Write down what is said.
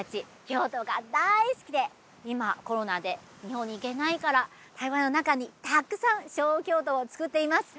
京都が大好きで今コロナで日本に行けないから台湾の中にたくさん小京都をつくっています